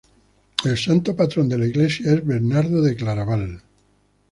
El santo patrón de la iglesia es Bernardo de Claraval.